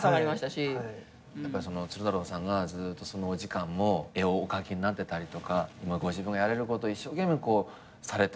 鶴太郎さんがずっとそのお時間も絵をお描きになってたりとかご自分がやれること一生懸命こうされてる。